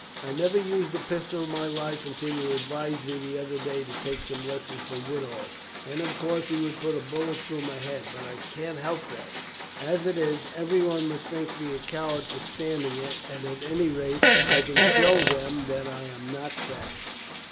"I never used a pistol in my life until you advised me the other day to take some lessons from Woodall, and of course he would put a bullet through my head; but I can't help that. As it is, everyone must think me a coward for standing it, and at any rate I can show them that I am not that."